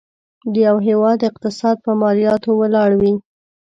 د یو هيواد اقتصاد په مالياتو ولاړ وي.